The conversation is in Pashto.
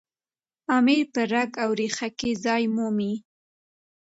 امیر په رګ او ریښه کې ځای مومي.